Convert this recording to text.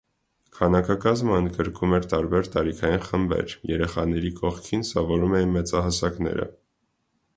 Քանակակազմը ընդգրկում էր տարբեր տարիքային խմբեր. երեխաների կողքին սովորում էին մեծահասակները։